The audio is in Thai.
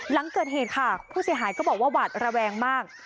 หลังเกิดเหตุภาพฤสีหายก็บอกว่าหวัดระแวงมาก